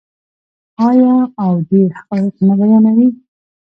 آیا او ډیر حقایق نه بیانوي؟